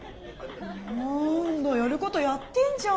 なんだやることやってんじゃん。